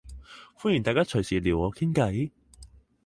歡迎大家隨時撩我傾計